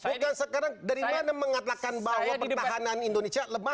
bukan sekarang dari mana mengatakan bahwa pertahanan indonesia lemah